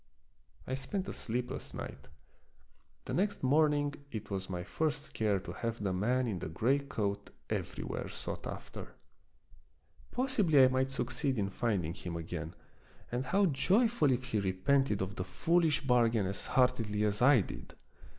I spent a sleepless night. The next morning it was my first care to have the man in the gray coat everywhere sought after. Possibly I might succeed in finding him again, and how joyful if he repented of the foolish bargain as heartily as I did.